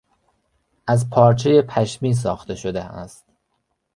از پارچهی پشمی ساخته شده است.